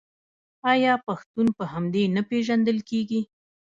آیا پښتون په همدې نه پیژندل کیږي؟